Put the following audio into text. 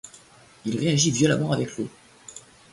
Il réagit violemment avec l'eau.